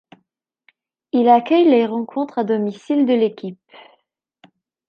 Il accueille les rencontres à domicile de l'équipe.